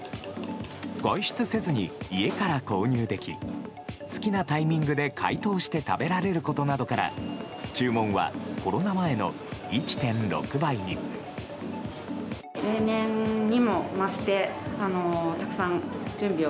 外出せずに家から購入でき好きなタイミングで解凍して食べられることなどから注文はコロナ前の１．６倍に。